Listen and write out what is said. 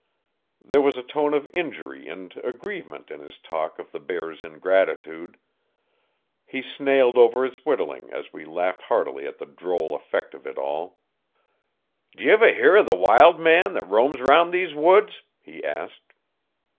There was a tone of injury and aggrievement in his talk of the bear's ingratitude. He snailed over his whittling as we laughed heartily at the droll effect of it all. 'D'ye ever hear o' the wild man 'at roams 'round'n these woods?' he asked.